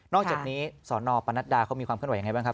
นอกจากนี้สนปนัดดาเขามีความขึ้นไหวอย่างไรบ้างครับ